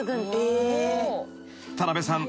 ［田辺さん。